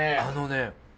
あのね。